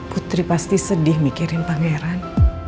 putri pasti sedih mikirin pangeran